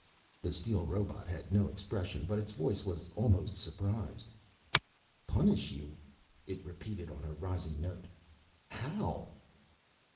The steel robot had no expression, but its voice was almost surprised. "Punish you?" it repeated on a rising note. "How?"